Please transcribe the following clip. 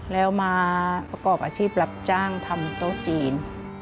แล้วมาประกอบอาชีพรับจ้างทำโต๊ะจีน